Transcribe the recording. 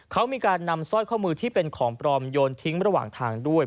เขามีการนำสร้อยข้อมือที่เป็นของปลอมโยนทิ้งระหว่างทางด้วย